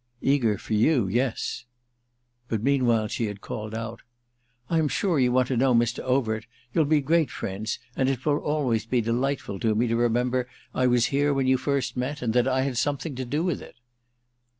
"Eager for you—yes." But meanwhile she had called out: "I'm sure you want to know Mr. Overt. You'll be great friends, and it will always be delightful to me to remember I was here when you first met and that I had something to do with it."